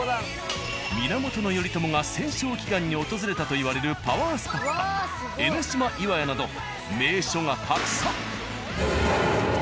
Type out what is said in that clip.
源頼朝が戦勝祈願に訪れたといわれるパワースポット江の島岩屋など名所がたくさん。